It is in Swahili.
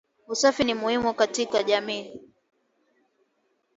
Usafi ni muhimu katika jamii